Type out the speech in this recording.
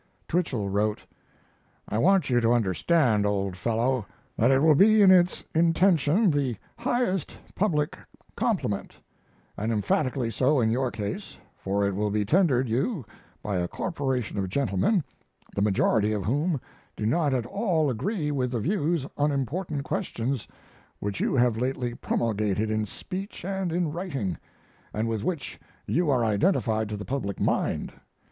Twichell wrote: I want you to understand, old fellow, that it will be in its intention the highest public compliment, and emphatically so in your case, for it will be tendered you by a corporation of gentlemen, the majority of whom do not at all agree with the views on important questions which you have lately promulgated in speech and in writing, and with which you are identified to the public mind.